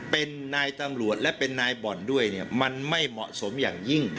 เป็นนายตำรวจและเป็นนายบ่อนด้วยเนี่ยมันไม่เหมาะสมอย่างยิ่ง